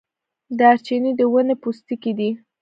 دارچینی د ونې پوستکی دی